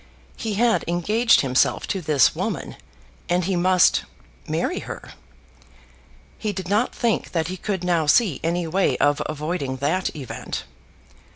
He had engaged himself to this woman, and he must marry her. He did not think that he could now see any way of avoiding that event.